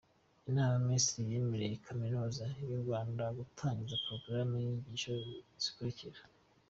Inama y’Abaminisitiri yemereye Kaminuza y’u Rwanda gutangiza porogaramu z’inyigisho zikurikira:.